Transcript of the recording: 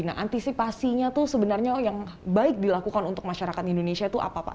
nah antisipasinya itu sebenarnya yang baik dilakukan untuk masyarakat indonesia itu apa pak